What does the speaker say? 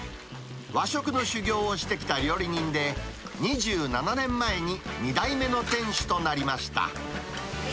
和食の修業をしてきた料理人で、２７年前に２代目の店主となりました。